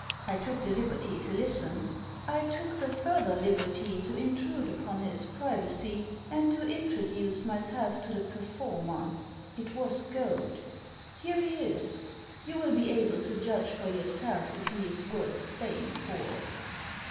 I took the liberty to listen. I took the further liberty to intrude upon his privacy, and to introduce myself to the performer. It was Goad. Here he is. You Digitized by VjOOQIC A DOUBLE MINDED GENTLEMAN 225 will be able to judge for yourself if he is worth staying for."